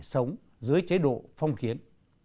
sống dưới chế độ phong khiến